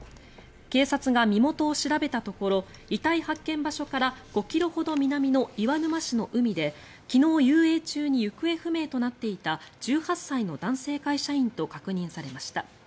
警察が身元を調べたところ遺体発見場所から５ｋｍほど南の岩沼市の海で昨日、遊泳中に行方不明となっていた１８歳の男性会社員と確認されました。